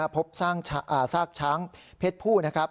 พบสร้างช้างเพศผู้